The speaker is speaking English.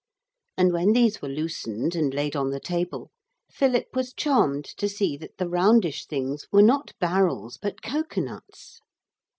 And when these were loosened and laid on the table Philip was charmed to see that the roundish things were not barrels but cocoa nuts.